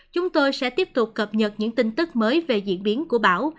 chúng tôi sẽ tiếp tục cập nhật những tin tức mới về diễn biến của bão